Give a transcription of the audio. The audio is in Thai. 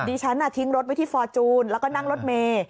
ดิฉันทิ้งรถไว้ที่ฟอร์จูนแล้วก็นั่งรถเมย์